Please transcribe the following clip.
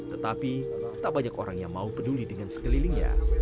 tetapi tak banyak orang yang mau peduli dengan sekelilingnya